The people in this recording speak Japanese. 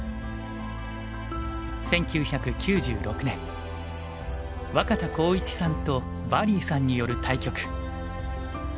１９９６年若田光一さんとバリーさんによる対局。